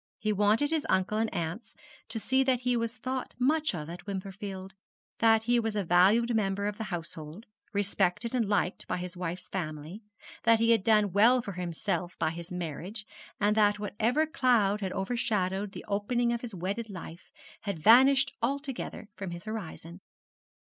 He wanted his uncle and aunts to see that he was thought much of at Wimperfield that he was a valued member of the household, respected and liked by his wife's family, that he had done well for himself by his marriage, and that whatever cloud had overshadowed the opening of his wedded life had vanished altogether from his horizon.